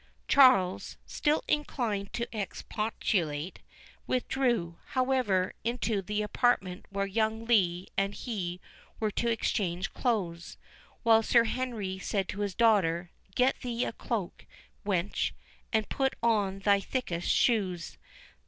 Charles, still inclined to expostulate, withdrew, however, into the apartment where young Lee and he were to exchange clothes; while Sir Henry said to his daughter, "Get thee a cloak, wench, and put on thy thickest shoes.